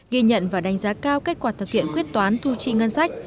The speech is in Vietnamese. ghi nhận và đánh giá cao kết quả thực hiện quyết toán thu chi ngân sách